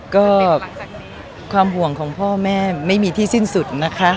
ก็ความห่วงของพ่อแม่ไม่มีที่สิ้นสุดนะคะ